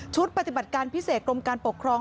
ปฏิบัติการพิเศษกรมการปกครอง